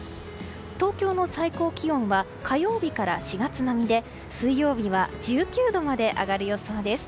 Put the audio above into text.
東京の最高気温は火曜日から４月並みで水曜日は１９度まで上がる予想です。